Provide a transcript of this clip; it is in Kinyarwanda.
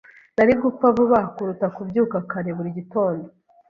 Nari gupfa vuba kuruta kubyuka kare buri gitondo.